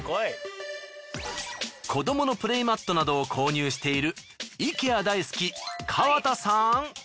子どものプレイマットなどを購入しているイケア大好き川田さん。